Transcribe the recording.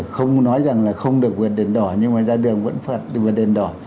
không nói rằng là không được vượt đền đỏ nhưng mà ra đường vẫn vượt đền đỏ